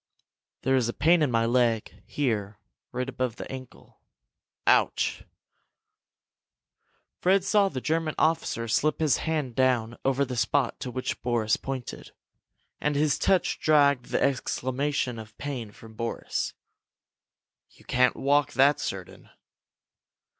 "There is a pain in my leg here, right above the ankle. Ouch!" Fred saw the German officer slip his hand down over the spot to which Boris pointed, and his touch dragged the exclamation of pain from Boris. "You can't walk, that's certain!"